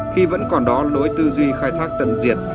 khi vẫn còn đó lối tư duy khai thác tận diệt